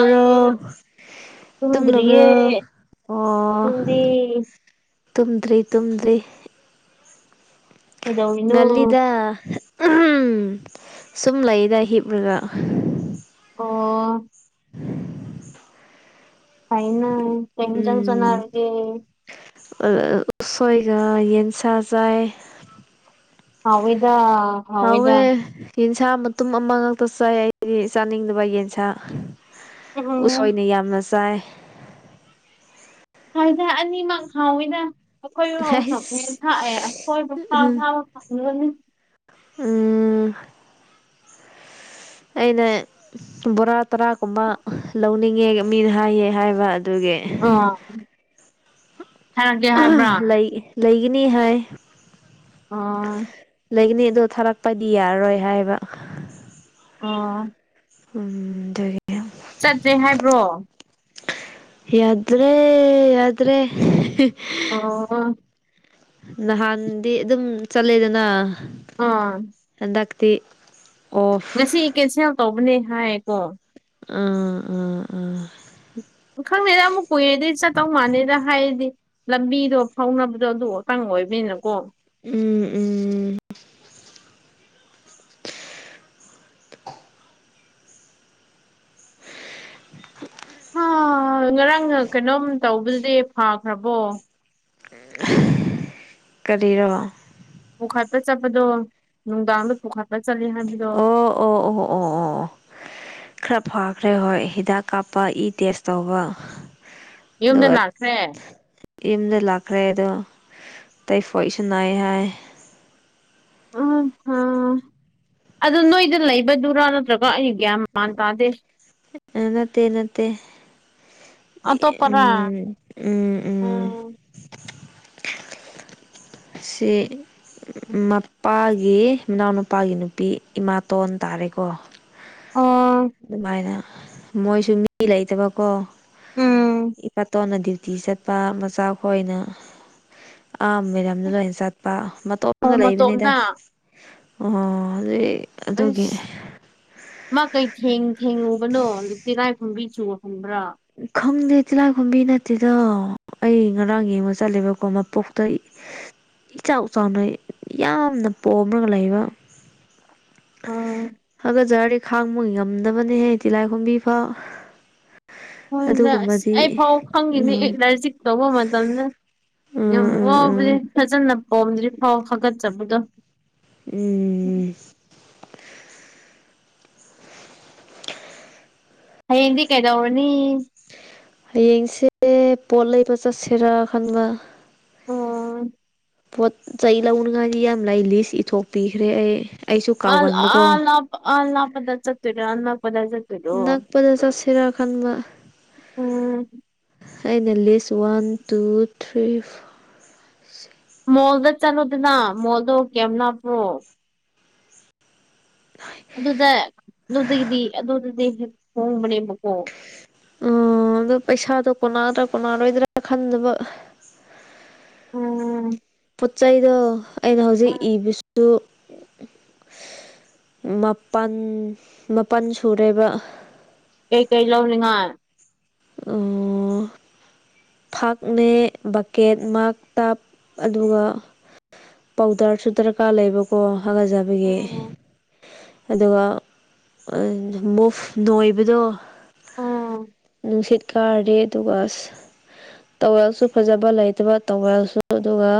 ꯑꯩ ꯇꯨꯝꯗ꯭ꯔꯤꯌꯦ ꯇꯨꯝꯂꯕ꯭ꯔꯣ ꯑꯣ ꯅꯪꯗꯤ ꯇꯨꯝꯗ꯭ꯔꯤ ꯇꯨꯝꯗ꯭ꯔꯤ ꯀꯩꯗꯧꯔꯤꯅꯣ ꯉꯜꯂꯤꯗ ꯁꯨꯝ ꯂꯩꯗ ꯍꯤꯞꯔꯒ ꯑꯣ [unintelligible] ꯐꯩꯅ ꯀꯩ ꯏꯟꯖꯥꯡ ꯆꯥꯅꯔꯒꯦ ꯑ ꯑ ꯎꯁꯣꯏꯒ ꯌꯦꯟꯁꯥꯥ ꯆꯥꯏꯌꯦ ꯍꯥꯎꯋꯤꯗ ꯍꯥꯎꯋꯦ ꯌꯦꯟꯁꯥ ꯃꯇꯨꯝ ꯑꯃ ꯉꯛꯇ ꯆꯥꯏ ꯑꯩꯗꯤ ꯆꯥꯅꯤꯡꯗꯕ ꯌꯦꯟꯁꯥ ꯎꯝ ꯎꯁꯣꯏꯅ ꯌꯥꯝꯅ ꯆꯥꯏ ꯁꯥꯏꯗ ꯑꯅꯤꯃꯛ ꯍꯥꯎꯋꯤꯗ ꯑꯩꯈꯣꯏꯕꯨ ꯎꯁꯣꯞꯅꯦ ꯊꯥꯛꯑꯦ ꯑꯈꯣꯏ ꯕꯕꯥ ꯁꯥꯎ ꯍ ꯅꯨꯉꯥꯏꯅꯤ ꯎꯝ ꯑꯩꯅ ꯕꯣꯔꯥ ꯇꯔꯥꯀꯨꯝꯕ ꯂꯧꯅꯤꯡꯉꯦ ꯃꯤꯗ ꯍꯥꯏꯌꯦ ꯍꯥꯏꯕ ꯑꯗꯨꯒꯤ ꯑꯥ ꯊꯥꯔꯛꯀꯦ ꯍꯥꯏꯕ꯭ꯔꯥ ꯂꯩ ꯂꯩꯒꯤꯅꯤ ꯍꯥꯏ ꯑ ꯂꯩꯒꯅꯤ ꯑꯗꯣ ꯊꯥꯔꯛꯄꯗꯤ ꯌꯥꯔꯔꯣꯏ ꯍꯥꯏꯕ ꯑ ꯎꯝ ꯗꯨꯏ ꯆꯠꯇ꯭ꯔꯦ ꯍꯥꯏꯕ꯭ꯔꯣ ꯌꯥꯗ꯭ꯔꯦ ꯌꯥꯗ꯭ꯔꯦ ꯑꯣ ꯑꯣ ꯑꯣ ꯑꯣ ꯅꯍꯥꯟꯗꯤ ꯑꯗꯨꯝ ꯆꯠꯂꯦꯗꯅ ꯑꯥ ꯍꯟꯗꯛꯇꯤ ꯑꯣꯐ ꯉꯁꯤ ꯀꯦꯟꯁꯦꯜ ꯇꯧꯕꯅꯦ ꯍꯥꯏꯌꯦꯀꯣ ꯑꯥ ꯑ ꯑ ꯑ ꯈꯪꯗꯦꯗ ꯑꯃꯨꯛ ꯀꯨꯏꯔꯦꯗꯤ ꯆꯠꯇꯧ ꯃꯥꯥꯟꯗꯦꯗ ꯍꯥꯏꯌꯦꯗꯤ ꯂꯝꯕꯤꯗꯣ ꯐꯥꯎꯅꯕꯗꯣ ꯑꯗꯨ ꯋꯣꯇꯪ ꯑꯣꯏꯕꯅꯤꯅꯀꯣ ꯎꯝ ꯎꯝ [unintelligible] ꯉꯔꯥꯡꯅ ꯀꯩꯅꯣꯝ ꯇꯧꯕꯗꯨꯗꯤ ꯐꯈ꯭ꯔꯕꯣ ꯑꯦ ꯀꯔꯤꯔꯣ ꯄꯨꯈꯠꯄ ꯆꯠꯄꯗꯣ ꯅꯨꯡꯗꯥꯡꯗ ꯄꯨꯈꯠ ꯄ ꯆꯠꯂꯦ ꯍꯥꯏ ꯑꯣ ꯑꯣ ꯑꯣ ꯑꯣ ꯑꯣ ꯈꯔ ꯐꯥꯈ꯭ꯔꯦ ꯍꯣꯏ ꯍꯤꯗꯥꯛ ꯀꯥꯞꯄ ꯏ ꯇꯦꯁ ꯇꯧꯕ ꯌꯨꯝꯗ ꯑꯗꯨꯒ ꯂꯥꯛꯈ꯭ꯔꯦ ꯌꯨꯝꯗ ꯂꯥꯛꯈ꯭ꯔꯦ ꯑꯗꯣ ꯇꯩꯐꯣꯏꯁꯨ ꯅꯥꯏ ꯍꯥꯏ ꯑꯠꯁꯥ ꯑꯗꯨ ꯅꯣꯏꯗ ꯂꯩꯕꯗꯨꯔꯥ ꯅꯠꯇ꯭ꯔꯒ ꯑꯩ ꯒ꯭ꯌꯥꯝ ꯅꯠꯇꯦ ꯅꯠꯇꯦ ꯑꯇꯣꯞꯄꯔꯥ ꯎꯝ ꯎꯝ ꯎꯝ ꯑꯁꯤ ꯃꯄꯥꯒꯤ ꯃꯅꯥꯎꯅꯄꯥꯒꯤ ꯅꯨꯄꯤ ꯏꯃꯥꯇꯣꯟ ꯇꯥꯔꯦꯀꯣ ꯑꯣ ꯑꯗꯨꯃꯥꯏꯅ ꯃꯣꯏꯁꯨ ꯃꯤ ꯂꯩꯇꯕꯀꯣ ꯎꯝ ꯏꯄꯥꯇꯣꯟꯅ ꯗ꯭ꯌꯨꯇꯤ ꯆꯠ ꯄꯥ ꯃꯆꯥ ꯈꯣꯏꯅ ꯑꯝꯃꯦꯗꯥ ꯗ ꯂꯣꯏ ꯆꯠꯄ ꯑꯣ ꯃꯇꯣꯝꯗ ꯃꯇꯣꯝꯗ ꯂꯩꯕꯅꯤꯗ ꯑꯣ ꯑꯗꯨꯏ ꯑꯗꯨꯒꯤ ꯑꯁ ꯃꯥ ꯀꯩ ꯊꯦꯡ ꯊꯦꯡꯉꯨꯕꯅꯣ ꯇꯤꯔꯥꯏ ꯐꯨꯝꯕꯤ ꯆꯨ ꯍꯪꯕ꯭ꯔꯥ ꯈꯪꯗꯦ ꯇꯤꯜꯂꯥꯏꯈꯨꯝꯕꯤ ꯅꯠꯇꯦꯗꯣ ꯑꯩ ꯉꯔꯥꯡ ꯌꯦꯡꯕ ꯆꯠꯂꯦꯕꯀꯣ ꯃꯄꯣꯛꯇꯩ ꯏꯆꯥꯎ ꯆꯥꯎꯅ ꯌꯥꯝꯅ ꯄꯣꯝꯃꯔꯒ ꯂꯩꯕ ꯎꯝ ꯍꯥꯒꯠꯆꯔꯗꯤ ꯈꯥꯡꯕ ꯉꯝꯗꯕꯅꯦꯍꯦ ꯇꯤꯜꯂꯥꯏꯈꯣꯝꯕꯤ ꯐꯥꯎ ꯍꯣꯏꯅ ꯑꯁ ꯑꯗꯨꯒꯨꯝꯕꯗꯤ ꯑꯩ ꯐꯥꯎ ꯈꯪꯉꯤꯅꯦ ꯎꯝ ꯑꯦꯂꯔꯖꯤꯛ ꯇꯧꯕ ꯃꯇꯝꯗ ꯎꯝ ꯌꯥꯝ ꯎꯝ ꯎꯝ ꯋꯥꯕꯅꯦ ꯐꯖꯅ ꯄꯣꯝꯗ꯭ꯔꯤ ꯐꯥꯎ ꯍꯥꯒꯠꯆꯕꯗꯣ ꯎꯝ ꯍꯌꯦꯡꯗꯤ ꯀꯩꯗꯧꯔꯅꯤ ꯍꯌꯦꯡꯁꯦ ꯄꯣꯠ ꯂꯩꯕ ꯆꯠꯁꯤꯔꯥ ꯈꯟꯕ ꯑꯣ ꯄꯣꯠ ꯆꯩ ꯂꯧꯅꯉꯥꯏꯗꯤ ꯌꯥꯝ ꯂꯩ ꯂꯤꯁ ꯏꯊꯣꯛꯄꯤꯈ꯭ꯔꯦ ꯑꯩ ꯑꯩꯁꯨ ꯑꯜ ꯀꯥꯎꯒꯟꯕꯀꯣ ꯑ ꯂꯞ ꯑꯜ ꯂꯥꯞꯄꯗ ꯆꯠꯇꯣꯏꯔ ꯅꯛꯄꯗꯤ ꯆꯠ ꯅꯥꯛꯄꯗ ꯆꯠꯁꯤꯔꯥ ꯈꯥꯟꯕ ꯎꯝ ꯑꯩꯅ ꯂꯤꯁ ꯋꯥꯟ ꯇꯨ ꯊ꯭ꯔꯤ ꯐꯣ ꯃꯣꯜꯗ ꯆꯠꯂꯨꯗꯅ ꯃꯣꯜꯗꯣ ꯀꯌꯥꯝ ꯅꯞꯄ꯭ꯔꯣ ꯑꯗꯨꯗ ꯑꯗꯨꯗꯒꯤꯗꯤ ꯑꯗꯨꯗꯗꯤ ꯍꯦꯛ ꯍꯣꯡꯕꯅꯦꯕꯀꯣ ꯑꯣ ꯑꯗꯨ ꯄꯩꯁꯥꯗꯣ ꯀꯣꯟꯅꯗ꯭ꯔꯥ ꯀꯣꯟꯅꯔꯣꯏꯗ꯭ꯔꯥ ꯈꯟꯗꯕ ꯎꯝ ꯄꯣꯠ ꯆꯩꯗꯣ ꯑꯩꯅ ꯍꯧꯖꯤꯛ ꯏꯕꯁꯨ ꯃꯥꯄꯜ ꯃꯥꯄꯜ ꯁꯨꯔꯦꯕ ꯀꯩꯀꯩ ꯂꯧꯅꯤꯡꯉꯥꯏ ꯑ ꯐꯛꯅꯦ ꯕꯛꯀꯦꯠ ꯃꯥꯛ ꯇꯞ ꯑꯗꯨꯒ ꯄꯥꯎꯗꯔꯁꯨ ꯗꯔꯀꯥꯔ ꯂꯩꯕꯀꯣ ꯍꯒꯠꯖꯕꯒꯤ ꯑꯗꯨꯒ ꯃꯨꯐ ꯅꯣꯏꯕꯗꯣ ꯑꯥ ꯅꯨꯡꯁꯤꯠ ꯀꯥꯔꯗꯤ ꯑꯗꯨꯒ ꯑꯁ ꯇꯋꯦꯜꯁꯨ ꯐꯖꯕ ꯂꯩꯇꯕ ꯇꯧꯋꯦꯜꯁꯨ ꯑꯗꯨꯒ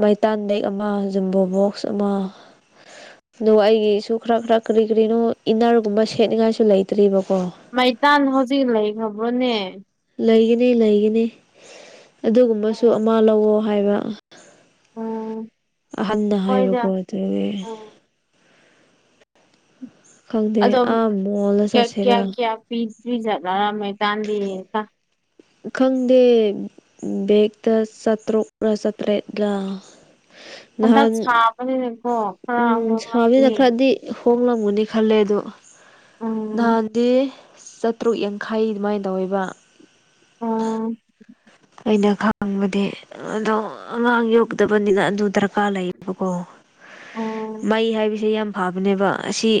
ꯃꯩꯇꯥꯟ ꯕꯦꯛ ꯑꯃ ꯖꯝꯕꯣ ꯕꯣꯛꯁ ꯑꯃ ꯑꯗꯨꯒ ꯑꯩꯒꯤꯁꯨ ꯈꯔ ꯈꯔ ꯀꯔꯤ ꯀꯔꯤꯅꯣ ꯏꯟꯅꯔꯒꯨꯝꯕ ꯁꯦꯠꯅꯤꯡꯉꯥꯏꯁꯨ ꯂꯩꯇ꯭ꯔꯤꯕꯀꯣ ꯃꯩꯇꯥꯟ ꯍꯧꯖꯤꯛ ꯂꯩꯈ꯭ꯔꯕ꯭ꯔꯣꯅꯦ ꯂꯩꯒꯅꯤ ꯂꯩꯒꯅꯤ ꯑꯗꯨꯒꯨꯝꯕꯁꯨ ꯑꯃ ꯂꯧꯋꯣ ꯍꯥꯏꯕ ꯎꯝ ꯑꯍꯟꯅ ꯍꯥꯏꯕꯀꯣ ꯍꯣꯏꯗ ꯑꯗꯨꯒꯤ ꯎꯝ ꯈꯪꯗꯦ ꯑꯗꯣꯝ ꯑꯥ ꯃꯣꯜꯗ ꯀꯌꯥ ꯀꯌꯥ ꯆꯠꯁꯤꯔꯥ ꯀꯌꯥ ꯄꯤ ꯄ꯭ꯔꯤꯖꯠꯕꯔ ꯃꯩꯇꯥꯟꯗꯤ ꯈꯪꯗꯦ ꯕꯦꯛꯇ ꯆꯥꯇ꯭ꯔꯨꯛꯔ ꯆꯥꯇ꯭ꯔꯦꯠꯂꯥ ꯍꯟꯗꯛ ꯁꯥꯕꯅꯤꯅꯀꯣ ꯈꯔ ꯎꯝ ꯑꯃꯨꯛ ꯁꯥꯕꯅꯤꯅ ꯍꯥꯞꯄꯅꯤ ꯈꯔꯗꯤ ꯍꯣꯡꯂꯝꯒꯅꯤ ꯈꯜꯂꯦ ꯑꯗꯣ ꯎꯝ ꯅꯍꯥꯟꯗꯤ ꯆꯠ ꯇꯔꯨꯛ ꯌꯥꯡꯈꯩ ꯑꯗꯨꯃꯥꯏꯅ ꯇꯧꯋꯦꯕ ꯑꯣ ꯑꯩꯅ ꯈꯥꯡꯕꯗꯤ ꯑꯗꯣ ꯑꯉꯥꯡ ꯌꯧꯗꯕꯅꯤꯅ ꯑꯗꯨ ꯗꯔ ꯀꯥꯔ ꯂꯩꯌꯦꯕꯀꯣ ꯎꯝ ꯃꯩ ꯍꯥꯏꯕꯁꯦ ꯌꯥꯝ ꯐꯕꯅꯦꯕ ꯑꯁꯤ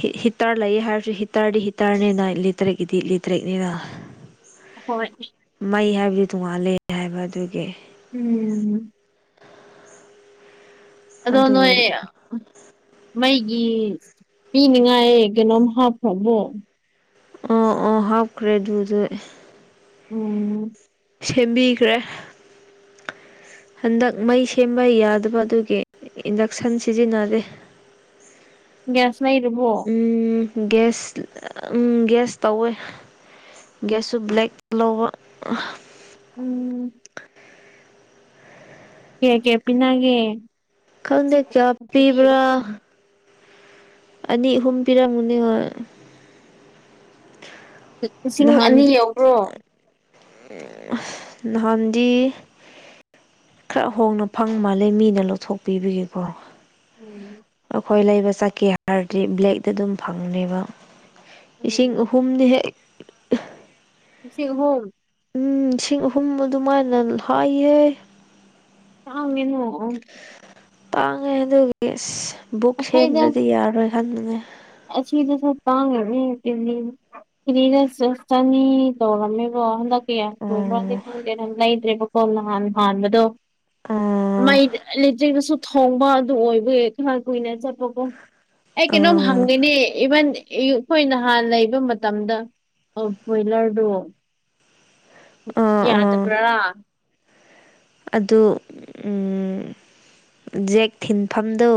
ꯍꯤ ꯍꯤꯇꯔ ꯂꯩꯌꯦ ꯍꯥꯏꯔꯁꯨ ꯍꯤꯇꯔꯗꯤ ꯍꯤꯇꯔꯅꯤꯅ ꯏꯂꯦꯇ꯭ꯔꯤꯛꯀꯤꯗꯤ ꯏꯂꯦꯇꯔꯤꯛꯅꯤꯅ ꯍꯣꯏ ꯃꯩ ꯍꯥꯏꯕꯗꯤ ꯇꯣꯡꯉꯥꯟꯂꯦ ꯍꯥꯏꯕ ꯑꯗꯨꯒꯤ ꯎꯝ ꯑꯗꯣ ꯑꯗꯨ ꯅꯣꯏ ꯃꯩꯒꯤ ꯄꯤꯅꯤꯡꯉꯥꯏ ꯀꯩꯅꯣꯝ ꯍꯥꯞꯈ꯭ꯔꯕꯣ ꯑꯣ ꯑꯣ ꯍꯥꯞꯈ꯭ꯔꯦ ꯑꯗꯨꯗꯩ ꯎꯝ ꯁꯦꯝꯕꯤꯈ꯭ꯔꯦ ꯍꯟꯗꯛ ꯃꯩ ꯁꯦꯝꯕ ꯌꯥꯗꯕ ꯑꯗꯨꯒꯤ ꯏꯟꯗꯛꯁꯟ ꯁꯤꯖꯤꯟꯅꯔꯦ ꯒ꯭ꯌꯥꯁ ꯂꯩꯔꯕꯣ ꯎꯝ ꯒ꯭ꯌꯥꯁ ꯎꯝ ꯒ꯭ꯌꯥꯁ ꯇꯧꯋꯦ ꯒꯌ꯭ꯥꯁ ꯁꯨ ꯕꯂꯦꯛ ꯂꯧꯕ ꯎꯝ ꯀꯌꯥ ꯀꯌꯥ ꯄꯤꯅꯒꯦ ꯈꯪꯗꯦ ꯂꯤꯁꯤꯡ ꯀꯌꯥ ꯄꯤꯕ꯭ꯔꯥ ꯑꯍꯨꯝ ꯑꯅꯤ ꯑꯍꯨꯝ ꯄꯤꯔꯝꯃꯅꯤ ꯍꯣꯏ [unintelligible] ꯑꯅꯤ ꯅꯍꯥꯟꯗꯤ ꯌꯧꯕ꯭ꯔꯣ ꯑꯁ ꯅꯍꯥꯟꯗꯤ ꯈꯔ ꯍꯣꯡꯅ ꯐꯪ ꯃꯥꯜꯂꯦ ꯃꯤꯅ ꯂꯧꯊꯣꯛꯄꯤꯕꯒꯤꯀꯣ ꯎꯝ ꯑꯈꯣꯏ ꯂꯩꯕ ꯆꯠꯀꯦ ꯍꯥꯏꯔꯗꯤ ꯕ꯭ꯂꯦꯛꯇ ꯑꯗꯨꯝ ꯐꯪꯕꯅꯦꯕ ꯏꯁꯤꯡ ꯑ ꯎꯝ ꯍꯨꯝꯅꯤ ꯍꯦꯛ ꯂꯤꯁꯤꯡ ꯑꯍꯨꯝ ꯎꯝ ꯂꯤꯁꯤꯡ ꯑꯍꯨꯝ ꯑꯗꯨꯃꯥꯏꯅ ꯍꯥꯏꯌꯦ ꯇꯥꯡꯉꯦꯅꯣ ꯑꯣ ꯇꯥꯡꯉꯦ ꯑꯗꯨꯒꯤ ꯑꯁ ꯕꯨꯛ ꯑꯩꯈꯣꯏꯗ ꯁꯦꯝꯗ꯭ꯔꯗꯤ ꯌꯥꯔꯣꯏ ꯈꯟꯕꯅꯦ ꯑꯁꯤꯗꯁꯨ ꯇꯥꯡꯉꯔꯤ ꯇꯦꯅꯤꯅ ꯀꯔꯤꯔ ꯆꯁ ꯆꯅꯤ ꯇꯧꯔꯝꯃꯦꯕꯣ ꯍꯟꯗꯛ [unintelligible] ꯎꯝ ꯈꯪꯗꯦ ꯑꯗꯨꯝ ꯂꯩꯇ꯭ꯔꯦꯕꯀꯣ ꯅꯍꯥꯟ ꯍꯥꯟꯕꯗꯣ ꯎꯝ ꯃꯩ ꯏꯂꯤꯇ꯭ꯔꯤꯗꯁꯨ ꯊꯣꯡꯕ ꯑꯗꯨ ꯑꯣꯏꯕꯒꯤ ꯈꯔ ꯀꯨꯏꯅ ꯆꯠ ꯄꯀꯣ ꯑꯩ ꯀꯩꯅꯣꯝ ꯎꯝ ꯏꯕꯟ ꯑꯩꯈꯣꯏ ꯅꯍꯥꯟ ꯂꯩꯕ ꯃꯇꯝꯗ ꯑ ꯕꯣꯏꯂꯔꯗꯣ ꯑꯥ ꯑꯥ ꯌꯥꯗꯕ꯭ꯔꯥ ꯑꯗꯨ ꯎꯝ ꯖꯦꯛ ꯊꯤꯟꯐꯝꯗꯣ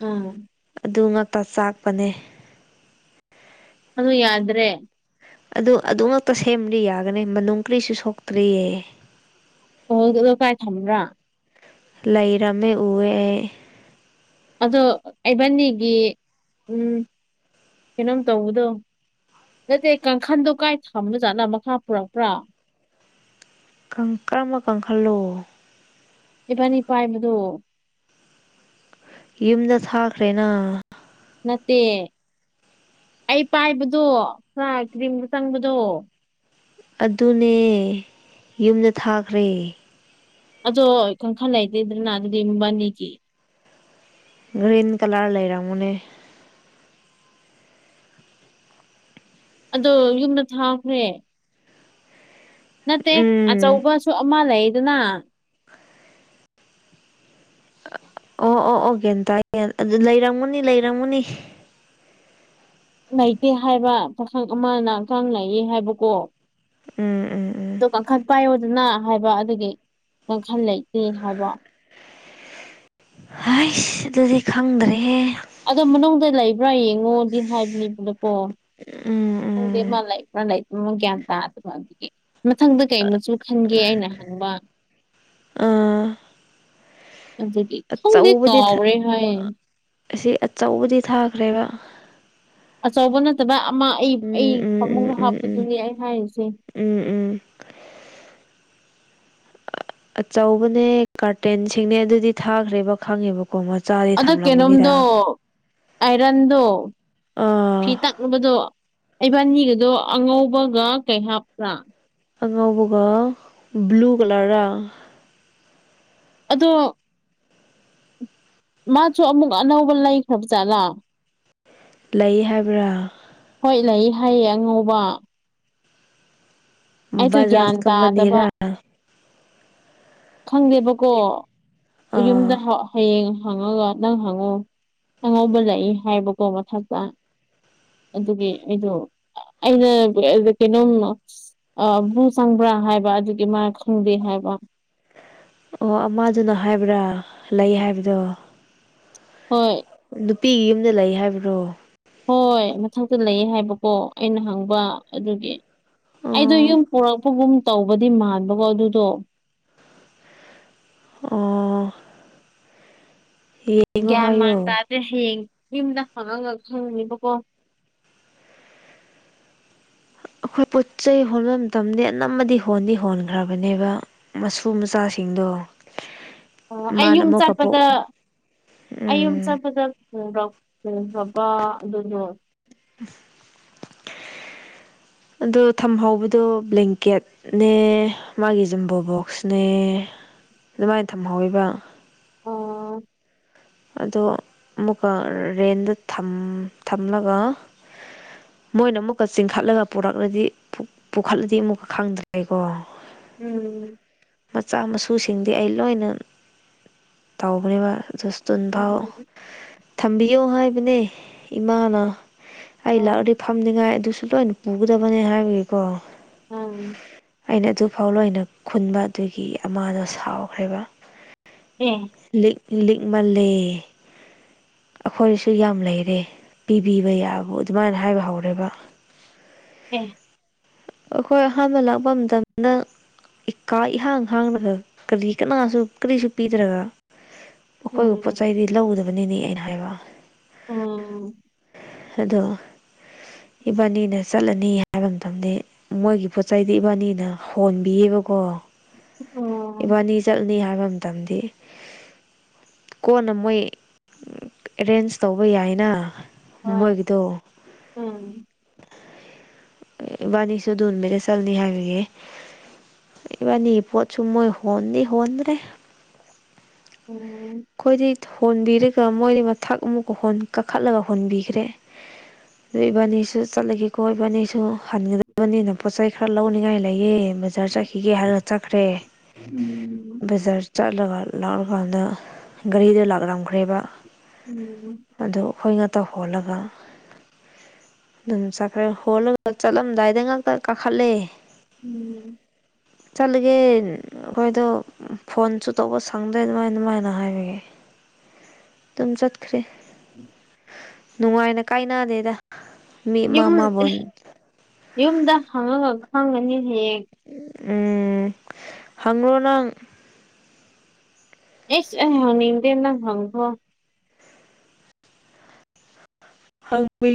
ꯎꯝ ꯑꯗꯨ ꯉꯥꯛꯇ ꯆꯥꯛꯄꯅꯦ ꯑꯗꯨ ꯌꯥꯗ꯭ꯔꯦ ꯑꯗꯨ ꯑꯗꯨꯉꯛꯇ ꯁꯦꯝꯕꯗꯤ ꯌꯥꯒꯅꯤ ꯃꯅꯨꯡ ꯀꯔꯤꯁꯨ ꯁꯣꯛꯇ꯭ꯔꯤꯌꯦ ꯑꯣꯍꯣꯜ ꯗꯨꯂꯣ ꯀꯥꯏ ꯊꯝꯕ꯭ꯔ ꯂꯩꯔꯝꯃꯦ ꯎꯋꯦ ꯑꯩ ꯑꯗꯣ ꯑꯩꯕꯥꯟꯅꯤꯒꯤ ꯎꯝ ꯀꯩꯅꯣꯝ ꯇꯧꯕꯗꯣ ꯅꯠꯇꯦ ꯀꯥꯡꯈꯥꯟꯗꯣ ꯀꯥꯏ ꯊꯝꯕꯖꯥꯠꯂ ꯃꯈꯥ ꯄꯨꯔꯛꯄ꯭ꯔꯥ ꯈꯪ ꯀꯔꯃ ꯀꯥꯡꯈꯜꯂꯣ ꯏꯕꯥꯅꯤ ꯄꯥꯏꯕꯗꯣ ꯌꯨꯝꯗ ꯊꯥꯈ꯭ꯔꯦꯅ ꯅꯠꯇꯦ ꯑꯩ ꯄꯥꯏꯕꯗꯣ ꯈꯔ ꯀ꯭ꯔꯤꯝꯒ ꯆꯪꯕꯗꯣ ꯑꯗꯨꯅꯦ ꯌꯨꯝꯗ ꯊꯥꯈ꯭ꯔꯦ ꯑꯗꯣ ꯀꯪꯈꯜ ꯂꯩꯇ꯭ꯔꯦꯗꯅ ꯑꯗꯨꯗꯤ ꯃꯕꯥꯅꯤꯒꯤ ꯒ꯭ꯔꯤꯟ ꯀꯂꯔ ꯂꯩꯔꯝꯒꯅꯤ ꯑꯗꯣ ꯌꯨꯝꯗ ꯊꯥꯈ꯭ꯔꯦ ꯅꯠꯇꯦ ꯎꯝ ꯑꯆꯧꯕꯁꯨ ꯑꯃ ꯂꯩꯌꯦꯗꯅ [unintelligible] ꯑꯣ ꯑꯣ ꯑꯣ ꯒꯌ꯭ꯟ ꯇꯥꯏ ꯌꯥꯟ ꯑꯗꯨ ꯂꯩꯔꯝꯃꯅꯤ ꯂꯩꯔꯝꯃꯅꯤ ꯂꯩꯇꯦ ꯍꯥꯏꯕ ꯄꯥꯈꯪ ꯑꯃꯅ ꯀꯥꯡ ꯂꯩꯌꯦ ꯍꯥꯏꯕꯀꯣ ꯎꯝ ꯎꯝ ꯎꯝ ꯇꯣ ꯀꯥꯡꯈꯟ ꯄꯥꯏꯌꯣꯗꯅ ꯍꯥꯏꯕ ꯑꯗꯨꯒꯤ ꯀꯥꯡꯈꯟ ꯂꯩꯇꯦ ꯍꯥꯏꯕ ꯍꯥꯏꯁ ꯑꯗꯨꯗꯤ ꯈꯪꯗ꯭ꯔꯦꯍꯦ ꯑꯗꯣ ꯃꯅꯨꯡꯗ ꯂꯩꯕ꯭ꯔꯥ ꯌꯦꯡꯉꯣꯗꯤ ꯍꯥꯏꯕꯅꯦꯕꯅꯀꯣ ꯎꯝ ꯈꯪꯗꯦ ꯎꯝ ꯃꯥ ꯂꯩꯕ꯭ꯔ ꯂꯩꯇꯕ꯭ꯔ ꯒꯌꯥꯟ ꯇꯥꯗꯕ ꯑꯗꯨꯒꯤ ꯃꯊꯪꯗ ꯀꯩ ꯃꯆꯨ ꯈꯟꯒꯦ ꯑꯩꯅ ꯍꯪꯕ ꯑꯥ ꯑꯗꯨꯒꯤ ꯈꯪꯗꯦ ꯑꯆꯧꯕꯗꯤ ꯊꯥ ꯀꯥꯎꯒ꯭ꯔꯦ ꯍꯥꯏꯌꯦ ꯑꯁꯤ ꯑꯆꯧꯕꯗꯤ ꯊꯥꯈ꯭ꯔꯦꯕ ꯑꯆꯧꯕ ꯅꯠꯇꯕ ꯑꯃ ꯑꯩ ꯑꯩ ꯎꯝ ꯎꯝ ꯎꯝ ꯐꯃꯨꯡꯗ ꯎꯝ ꯎꯝ ꯍꯥꯞꯄꯗꯨꯅꯤ ꯑꯩ ꯍꯥꯏꯔꯤꯁꯦ ꯎꯝ ꯎꯝ ꯑꯆꯧꯕꯅꯦ ꯀꯥꯔꯇꯦꯟꯁꯤꯡꯅꯦ ꯑꯗꯨꯗꯤ ꯊꯥꯈ꯭ꯔꯦꯕ ꯈꯪꯉꯦꯕ ꯀꯣ ꯃꯆꯥꯏ ꯑꯗꯣ ꯀꯩꯅꯣꯝꯗꯣ ꯑꯥꯏꯔꯟꯗꯣ ꯐꯤ ꯑꯥ ꯇꯛꯅꯕꯗꯣ ꯏꯕꯥꯅꯤꯒꯤꯗꯣ ꯑꯉꯧꯕꯒ ꯀꯩ ꯍꯥꯞꯄ꯭ꯔꯥ ꯑꯉꯥꯎꯕꯒ ꯕ꯭ꯂꯨ ꯀꯂꯔꯔꯥ ꯑꯗꯣ ꯃꯥꯖꯨ ꯑꯃꯨꯛ ꯑꯅꯧꯕ ꯂꯩꯈ꯭ꯔꯕꯖꯥꯠꯂꯥ ꯂꯩ ꯍꯥꯏꯕ꯭ꯔꯥ ꯍꯣꯏ ꯂꯩ ꯍꯥꯏꯌꯦ ꯑꯉꯧꯕ ꯑꯩꯗꯣ ꯒ꯭ꯌꯥꯟ ꯕꯖꯥꯖ ꯇꯥꯗꯕ ꯀꯝꯄꯅꯤꯔꯥ ꯈꯪꯗꯦꯕꯀꯣ ꯑꯌꯨꯝꯗ ꯑꯥ ꯍ ꯍꯌꯦꯡ ꯍꯪꯉꯒ ꯅꯪ ꯍꯪꯉꯣ ꯑꯉꯧꯕ ꯂꯩꯌꯦ ꯍꯥꯏꯕꯀꯣ ꯃꯊꯛꯇ ꯑꯗꯨꯒꯤ ꯑꯩꯗꯣ ꯑꯩꯅ ꯀꯩꯅꯣꯝꯃ ꯑ ꯕ꯭ꯂꯨ ꯆꯪꯕ꯭ꯔꯥ ꯍꯥꯏꯕ ꯑꯗꯨꯒꯤ ꯃꯥ ꯈꯪꯗꯦ ꯍꯥꯏꯕ ꯑꯣ ꯑꯃꯗꯨꯅ ꯍꯥꯏꯕ꯭ꯔꯥ ꯂꯩ ꯍꯥꯏꯕꯗꯣ ꯍꯣꯏ ꯅꯨꯄꯤꯒꯤ ꯌꯨꯝꯗ ꯂꯩ ꯍꯥꯏꯕ꯭ꯔꯣ ꯍꯣꯏ ꯃꯊꯛꯇ ꯂꯩꯌꯦ ꯍꯥꯏꯕꯀꯣ ꯑꯩꯅ ꯍꯪꯕ ꯑꯗꯨꯒꯤ ꯑꯩꯗꯣ ꯑꯣ ꯌꯨꯝ ꯄꯨꯔꯛꯄꯒꯨꯝ ꯇꯧꯕꯗꯤ ꯃꯥꯟꯕꯀꯣ ꯑꯗꯨꯗꯣ ꯎꯝ [unintelligible] ꯒ꯭ꯌꯥꯟ ꯃꯥꯟ ꯇꯥꯗꯦ ꯍꯌꯦꯡ ꯌꯨꯝꯗ ꯍꯪꯉꯥꯒ ꯈꯪꯅꯤꯕꯀꯣ ꯑꯩꯈꯣꯏ ꯄꯣꯠ ꯆꯩꯩ ꯍꯣꯟꯕ ꯃꯇꯝꯗꯤ ꯑꯅꯝꯕꯗꯤ ꯍꯣꯟꯗꯤ ꯍꯣꯟꯈ꯭ꯔꯕꯅꯦꯕ ꯃꯁꯨ ꯃꯆꯥꯁꯤꯡꯗꯣ ꯑꯣ ꯃꯥꯅ ꯑꯩꯌꯨꯝ ꯑꯃꯨꯛꯀ ꯄꯣꯛ ꯆꯠꯄꯗ ꯑꯩꯌꯨꯝ ꯎꯝ ꯆꯠꯄꯗ ꯍꯣꯡꯈ꯭ꯔꯥ ꯍꯣꯡꯈ꯭ꯔꯕꯥ ꯑꯗꯨꯗꯣ ꯑꯗꯨ ꯊꯝꯍꯧꯕꯗꯣ ꯕ꯭ꯂꯦꯡꯀꯦꯠ ꯅꯦ ꯃꯥꯒꯤ ꯖꯝꯕꯣ ꯕꯣꯛꯁꯅꯦ ꯑꯗꯨꯃꯥꯏꯅ ꯊꯝꯍꯧꯌꯦꯕ ꯑꯣ ꯑꯗꯣ ꯑꯃꯨꯛꯀ ꯔꯦꯟꯗꯥ ꯊꯝ ꯊꯝꯂꯒ ꯃꯣꯏꯅ ꯑꯃꯨꯛꯀ ꯆꯤꯡꯈꯠꯂꯒ ꯄꯨꯔꯛꯂꯗꯤ ꯄꯨꯈꯠꯂꯗꯤ ꯑꯃꯨꯛꯀ ꯈꯪꯗ꯭ꯔꯦꯀꯣ ꯎꯝ ꯃꯆꯥ ꯃꯁꯨꯁꯤꯡꯗꯤ ꯑꯩ ꯂꯣꯏꯅ ꯇꯧꯕꯅꯦꯕ [unintelligible] ꯇꯨꯟ ꯐꯥꯎ ꯎꯝ ꯊꯝꯕꯤꯌꯣ ꯍꯥꯏꯕꯅꯦ ꯏꯃꯥꯅ ꯑꯩ ꯑ ꯂꯥꯛꯑꯗꯤ ꯐꯝꯅꯤꯉꯥꯏ ꯑꯗꯨꯁꯨ ꯂꯣꯏꯅ ꯄꯨꯒꯗꯕꯅꯦ ꯍꯥꯏꯕꯒꯤꯀꯣ ꯑꯝ ꯑꯩꯅ ꯑꯗꯨꯐꯥꯎ ꯂꯣꯏꯅ ꯈꯨꯟꯕ ꯑꯗꯨꯒꯤ ꯑꯃꯥꯗꯣ ꯁꯥꯎꯈ꯭ꯔꯦꯕ ꯑꯦ ꯂꯤꯛ ꯂꯤꯛꯃꯜꯂꯦꯌꯦ ꯑꯩꯈꯣꯏꯁꯨ ꯌꯥꯝ ꯂꯩꯔꯦ ꯄꯤꯕꯤꯕ ꯌꯥꯕꯨ ꯑꯗꯨꯃꯥꯏꯅ ꯍꯥꯏꯕ ꯍꯧꯔꯦꯕ ꯑꯦ ꯑꯩꯈꯣꯏ ꯑꯍꯥꯟꯕ ꯂꯥꯛꯄ ꯃꯇꯝꯗ ꯏꯀꯥ ꯏꯍꯥꯡ ꯍꯥꯡꯂꯒ ꯀ꯭ꯔꯤ ꯀꯅꯥꯁꯨ ꯀ꯭ꯔꯤꯁꯨ ꯄꯤꯗ꯭ꯔꯒ ꯃꯈꯣꯏꯕꯨ ꯄꯣꯠ ꯎꯝ ꯆꯩꯗꯤ ꯂꯧꯗꯕꯅꯤꯅꯦ ꯑꯩꯅ ꯍꯥꯏꯕ ꯎꯝ ꯑꯗꯣ ꯏꯕꯥꯅꯤꯅ ꯆꯠꯂꯅꯤ ꯍꯥꯏꯕ ꯃꯇꯝꯗꯤ ꯃꯣꯏꯒꯤ ꯄꯣꯠ ꯆꯩꯗꯤ ꯏꯕꯥꯅꯤꯅ ꯍꯣꯟꯕꯤꯌꯦꯕꯀꯣ ꯎꯝ ꯏꯕꯥꯅꯤ ꯆꯠꯂꯅꯤ ꯍꯥꯏꯕ ꯃꯇꯝꯗꯤ ꯀꯣꯟꯅ ꯃꯣꯏ ꯑꯦꯔꯦꯟꯖ ꯇꯧꯕ ꯌꯥꯏꯅ ꯍꯣꯏ ꯃꯣꯏꯒꯤꯗꯣ ꯎꯝ ꯏꯕꯥꯅꯤꯁꯨ ꯑꯗꯨ ꯅꯨꯃꯤꯠꯇ ꯆꯪꯅꯤ ꯍꯥꯏꯕꯒꯤꯦ ꯏꯕꯥꯅꯤ ꯄꯣꯠ ꯁꯨꯃꯣꯏ ꯍꯣꯟꯗꯤ ꯍꯣꯟꯗꯔꯦ ꯎꯝ ꯑꯩꯈꯣꯏꯗꯤ ꯊꯣꯟꯕꯤꯔꯒ ꯃꯣꯏꯗꯤ ꯃꯊꯥꯛ ꯑꯃꯨꯛꯀ ꯍꯣꯟ ꯀꯥꯈꯠꯂꯒ ꯍꯣꯟꯕꯤꯈ꯭ꯔꯦ [inaudible] ꯑꯗꯨ ꯏꯕꯥꯅꯤꯁꯨ ꯆꯠꯂꯒꯦꯀꯣ ꯏꯕꯥꯅꯤꯁꯨ ꯍꯟꯒꯗꯕꯅꯤꯅ ꯄꯣꯠ ꯆꯩ ꯈꯔ ꯂꯧꯅꯤꯡꯉꯥꯏ ꯂꯩꯌꯦ ꯕꯖꯥꯔ ꯆꯠꯈꯤꯒꯦ ꯍꯥꯏꯔꯒ ꯆꯠꯈ꯭ꯔꯦ ꯎꯝ ꯕꯖꯥꯔ ꯆꯠꯂꯒ ꯂꯥꯛꯑꯀꯥꯟꯗ ꯒꯥꯔꯤꯗꯨ ꯂꯥꯛꯂꯝꯈ꯭ꯔꯦꯕ ꯎꯝ ꯑꯗꯨꯗ ꯑꯩꯈꯣꯏꯅꯇ ꯍꯣꯜꯂꯒ ꯑꯗꯨꯝ ꯆꯠꯈ꯭ꯔꯦ ꯍꯣꯜꯂꯒ ꯆꯠꯂꯝꯗꯥꯏꯗ ꯉꯥꯛꯇ ꯀꯥꯈꯠꯂꯦ ꯎꯝ ꯆꯠꯂꯤꯒꯦ ꯑꯈꯣꯏꯗꯣ ꯐꯣꯟꯁꯨ ꯇꯧꯕ ꯁꯪꯗ꯭ꯔꯦ ꯅꯣꯏ ꯑꯗꯨꯃꯥꯏꯅ ꯍꯥꯏꯕ ꯒꯤ ꯑꯗꯨꯝ ꯆꯠꯈ꯭ꯔꯦ ꯎꯝ ꯅꯨꯡꯉꯥꯏꯅ ꯀꯥꯏꯅꯗꯦꯗ ꯃꯤ ꯑꯃ ꯌꯨꯝ ꯑꯃꯕꯨ ꯌꯨꯝꯗ ꯍꯪꯉꯒ ꯈꯪꯒꯅꯤ ꯍꯌꯦꯡ ꯎꯝ ꯍꯪꯔꯣ ꯅꯪ ꯑꯦꯁ ꯑꯩ ꯍꯪꯅꯤꯡꯗꯦ ꯅꯪ ꯍꯪꯈ꯭ꯔꯣ ꯍꯪꯕꯒꯤ